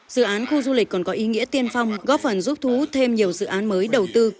dự án khu du lịch còn có ý nghĩa tiên phong góp phần giúp thú thêm nhiều dự án mới đầu tư